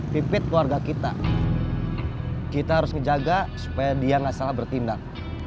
pipit keluarga kita kita harus menjaga supaya dia nggak salah bertindak